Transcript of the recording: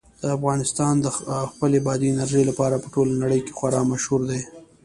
افغانستان د خپلې بادي انرژي لپاره په ټوله نړۍ کې خورا مشهور دی.